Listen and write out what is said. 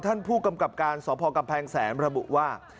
ท่านผู้กำกับการสพกำแพงแสนระบุว่า